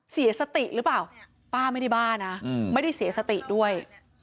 เสียสติหรือเปล่าป้าไม่ได้บ้านะไม่ได้เสียสติด้วย